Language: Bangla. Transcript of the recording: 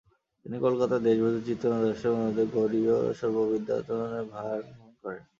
তিনি কলকাতায় দেশবন্ধু চিত্তরঞ্জন দাশের অনুরোধে গৌড়ীয় সর্ববিদ্যায়তনের ভার গ্রহণ করেন।